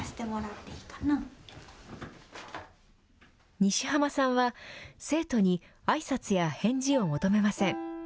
西濱さんは、生徒にあいさつや返事を求めません。